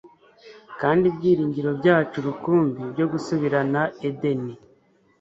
Kandi ibyiringiro byacu rukumbi byo gusubirana Edeni